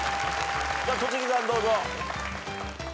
戸次さんどうぞ。